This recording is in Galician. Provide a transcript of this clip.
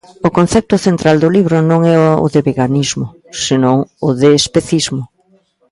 O concepto central do libro non é o de veganismo, senón o de especismo.